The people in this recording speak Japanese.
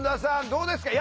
どうですか？